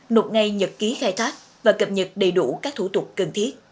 nộp ngay nhật ký khai thác và cập nhật đầy đủ các thủ tục cần thiết